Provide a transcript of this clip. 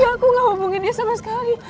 ya aku gak hubungin dia sama sekali